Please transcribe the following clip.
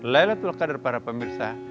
laylatul qadr para pemirsa